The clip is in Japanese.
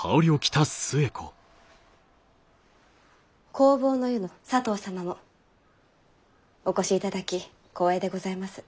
弘法湯の佐藤様もお越しいただき光栄でございます。